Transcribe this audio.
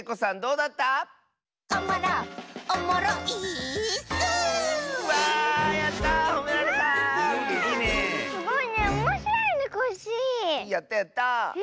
やったやった！